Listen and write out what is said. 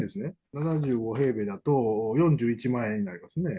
７５平米だと、４１万円になりますね。